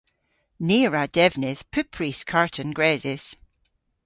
Ni a wra devnydh pupprys karten gresys.